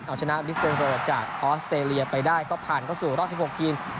เอาชนะบิสเบนเรอร์จากออสเตรเลียไปได้ก็ผ่านเข้าสู่รอบ๑๖ทีม